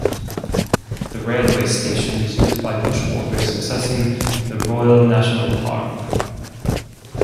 The railway station is used by bushwalkers accessing the Royal National Park.